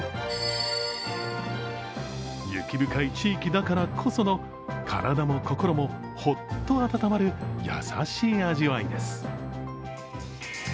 雪深い地域だからこその体も心もホッと温まる優しい味わいです。